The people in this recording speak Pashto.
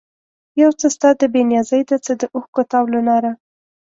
یو څه ستا د بې نیازي ده، څه د اوښکو تاو له ناره